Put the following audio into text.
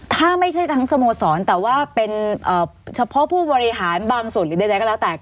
ถ้าไม่ใช่ทั้งสโมสรแต่ว่าเป็นเฉพาะผู้บริหารบางส่วนหรือใดก็แล้วแต่